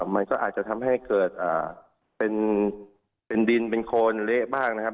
มันก็อาจจะทำให้เกิดเป็นดินเป็นโคนเละบ้างนะครับ